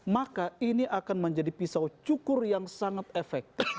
maka ini akan menjadi pisau cukur yang sangat efektif